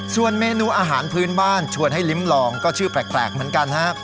ส่วนเมนูอาหารพื้นบ้านชวนให้ลิ้มลองก็ชื่อแปลกเหมือนกันฮะ